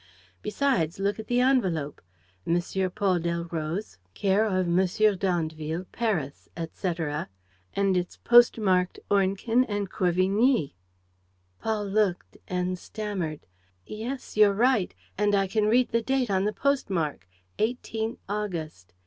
Besides, look at the envelope: 'M. Paul Delroze, care of M. d'Andeville, Paris, etc.' And it's post marked Ornequin and Corvigny." Paul looked and stammered: "Yes, you're right; and I can read the date on the post mark: 18 August.